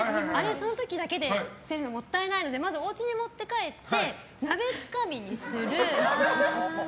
その時だけで捨てるのもったいないのでまず、おうちに持って帰って鍋つかみにする。